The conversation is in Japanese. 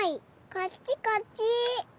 こっちこっち。